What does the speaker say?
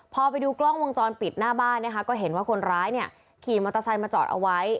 พอไปดูกล้องวงจรปิดหน้าบ้านนะคะก็เห็นว่าคนร้ายเนี่ยขี่มอเตอร์ไซค์มาจอดเอาไว้